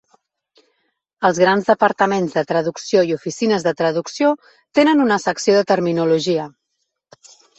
Els grans departaments de traducció i oficines de traducció tenen una secció de "Terminologia".